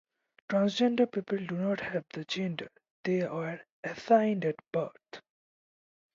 Transgender people do not have the gender they were assigned at birth.